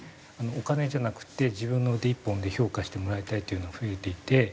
お金じゃなくって自分の腕一本で評価してもらいたいっていうのが増えていて。